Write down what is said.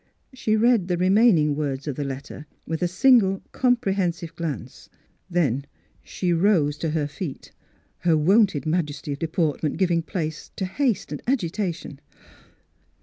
She read the remaining words of the let ter with a single comprehensive glance. Then she rose to her feet, her wonted Miss Fhilura's Wedding Gown majesty of deportment giving place to haste and agitation.